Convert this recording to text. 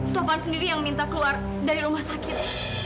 tuhan sendiri yang minta keluar dari rumah sakit